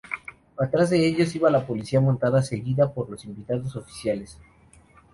Atrás de ellos iba la policía montada seguida por los invitados oficiales.